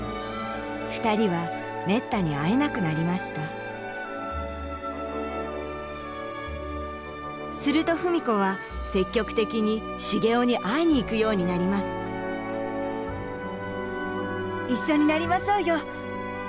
二人はめったに会えなくなりましたすると文子は積極的に繁雄に会いに行くようになります一緒になりましょうよ。